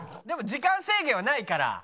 でも時間制限はないから。